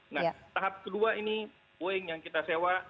nah tahap kedua ini boeing yang kita sewa